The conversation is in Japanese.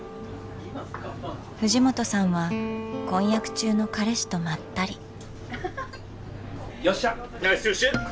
藤本さんは婚約中の彼氏とまったり。